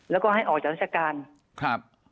แล้วก็ให้ออกจากราชการครับ